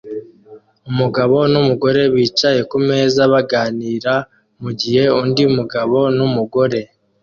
Umugabo numugore bicaye kumeza baganira mugihe undi mugabo n'umugore